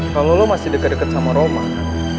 kalau lo masih deket deket sama roman